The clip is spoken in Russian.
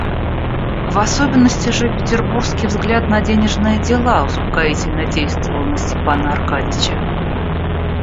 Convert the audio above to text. В особенности же петербургский взгляд на денежные дела успокоительно действовал на Степана Аркадьича.